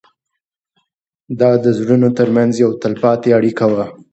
دا د زړونو تر منځ یوه تلپاتې اړیکه وه.